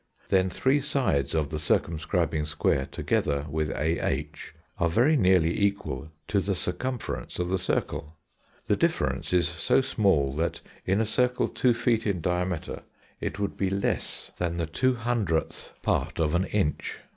Then three sides of the circumscribing square together with AH are very nearly equal to the circumference of the circle. The difference is so small, that in a circle two feet in diameter, it would be less than the two hundredth part of an inch.